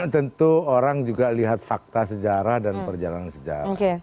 tentu orang juga lihat fakta sejarah dan perjalanan sejarah